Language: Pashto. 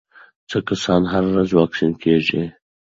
څه کسان هره ورځ واکسین کېږي؟